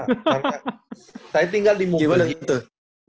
saya tinggal di montpellier